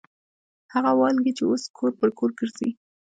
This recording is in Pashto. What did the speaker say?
هغه والګي چې اوس کور پر کور ګرځي.